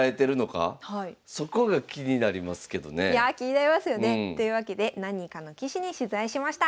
いやあ気になりますよね。というわけで何人かの棋士に取材しました。